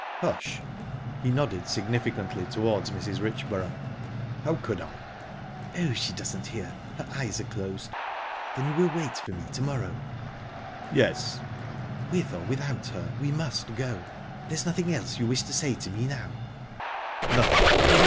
"Hush!"...He nodded significantly towards Mrs. Richborough. "How could I?" "Oh, she doesn't hear. Her eyes are closed. Then you will wait for me to morrow?" "Yes." "With or without her, we must go...There's nothing else you wish to say to me now?" "Nothing."